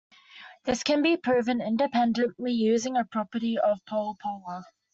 This can be proven independently using a property of pole-polar.